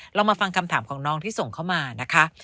เรามาฟังคำถามของน้องที่ส่งเข้ามานะคะ